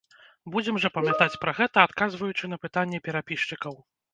Будзем жа памятаць пра гэта, адказваючы на пытанні перапісчыкаў!